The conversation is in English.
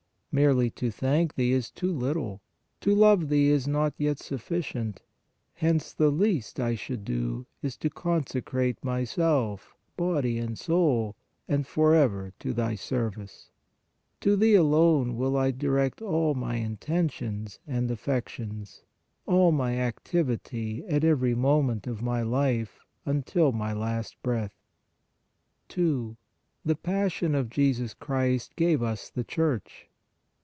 Merely to thank Thee is too little; to love Thee is not yet sufficient; hence the least I should do is to consecrate myself, body and soul, and forever to Thy service. To Thee alone will I direct all my intentions and affections, all my activ ity at every moment of my life until my last breath. 2. THE PASSION OF JESUS CHRIST GAVE us THE CHURCH.